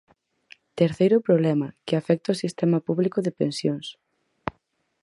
Terceiro problema: que afecta o sistema público de pensións.